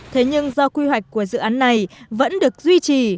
thế nhưng do quy hoạch của dự án này vẫn được duy trì